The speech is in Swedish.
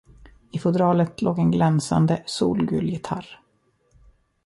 I fodralet låg en glänsande, solgul gitarr.